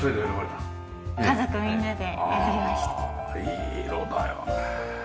いい色だよね。